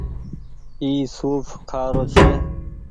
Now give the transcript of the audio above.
اي سوڦ کآ رو ڇي۔